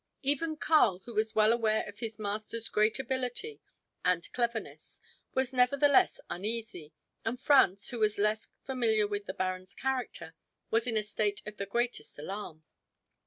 Even Karl, who was well aware of his master's great ability and cleverness, was nevertheless uneasy, and Franz, who was less familiar with the baron's character, was in a state of the greatest alarm.